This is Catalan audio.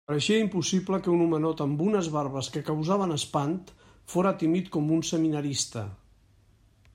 Pareixia impossible que un homenot amb unes barbes que causaven espant, fóra tímid com un seminarista.